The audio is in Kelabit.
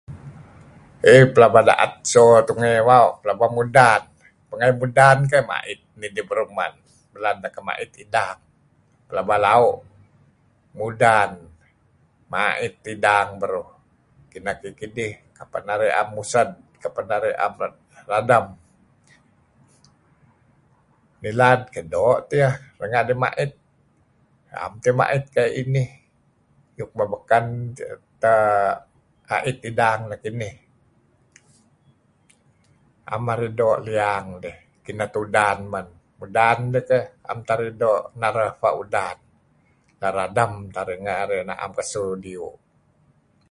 Iih pelaba daet so tungey bau' pelaba mudan pangeh iyeh mudan keyh mait nidih beruh kerab iko mala mait idang pelaba lau' mudan, mait idang, beruh. Kineh kidih-kidih kapeh narih naem mused? Kapeh narih naem radem? Ngilad keh doo' tiyah renga' dih mait am tiyeh mait kayu' kinih iyuk meh baken ait idang nkinih am aih doo' liang dih. Kineh teh udan man mudan iyeh teh am teh arih doo' tuen ebpa' udan la radem tah narih naem pekesu diu'.